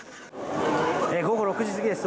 午後６時過ぎです。